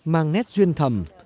mang nét duyên thầm